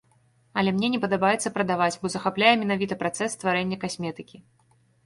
Але мне не падабаецца прадаваць, бо захапляе менавіта працэс стварэння касметыкі.